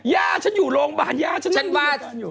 ย่าฉันอยู่โรงพยาบาลย่าฉันอยู่โรงพยาบาล